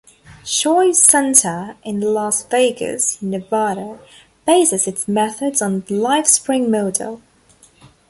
"Choice Center" in Las Vegas, Nevada, bases its methods on the Lifespring model.